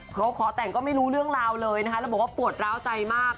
เขาขอแต่งก็ไม่รู้เรื่องราวเลยนะคะแล้วบอกว่าปวดร้าวใจมาก